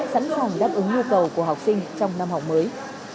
sẵn sàng đáp ứng nhu cầu của học sinh trong năm học mới